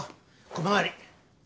小回り。